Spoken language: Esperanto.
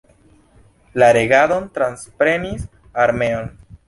La regadon transprenis armeo.